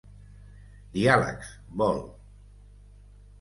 Diàlegs, vol.